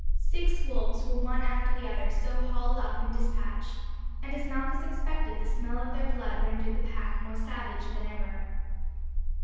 Six wolves were one after the other so hauled up and despatched, and, as Malchus expected, the smell of their blood rendered the pack more savage than ever.